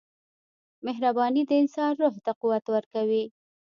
• مهرباني د انسان روح ته قوت ورکوي.